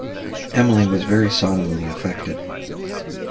Emily was very solemnly affected.